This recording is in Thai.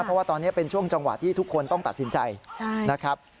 เพราะว่าตอนนี้เป็นช่วงจังหวะที่ทุกคนต้องตัดสินใจนะครับ